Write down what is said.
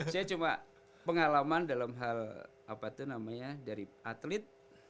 saya cuma pengalaman dalam hal apa tuh namanya dari atlet